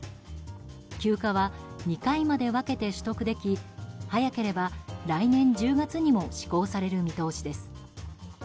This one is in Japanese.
休暇は２回まで分けて取得でき早ければ来年１０月にも施行される見通しです。